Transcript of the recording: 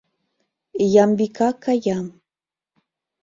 Ямбика кая.